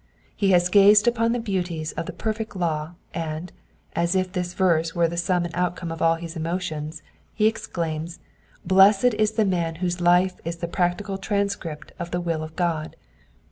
He has gazed on the beauties of the perfect law, and, as if this verse were the sum and outcome of all his emotions, he exclaims, *^ Blessed is the man whose life is the practical transcript of the will of God."